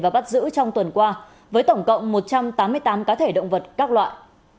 và bắt giữ trong tuần qua với tổng cộng một trăm tám mươi tám cá thể động vật các loại